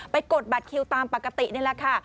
กดบัตรคิวตามปกตินี่แหละค่ะ